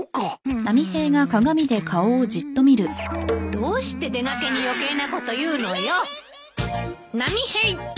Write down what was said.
どうして出掛けに余計なこと言うのよ。